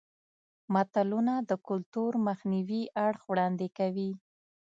متلونه د کولتور معنوي اړخ وړاندې کوي